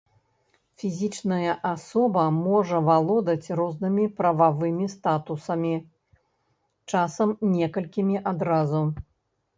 Фізічная асоба можа валодаць рознымі прававымі статусамі, часам некалькімі адразу.